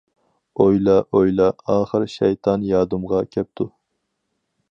ئويلا،-، ئويلا ئاخىر شەيتان يادىمغا كەپتۇ.